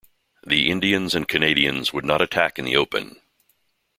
The Indians and Canadians would not attack in the open.